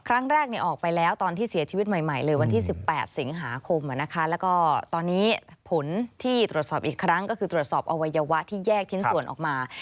ครั้งแรกออกไปแล้วตอนที่เสียชีวิตใหม่เลยวันที่๑๘สิงหาคมแล้วก็ตอนนี้ผลที่ตรวจสอบอีกครั้งก็คือตรวจสอบอวัยวะที่แยกชิ้นส่วนออกมา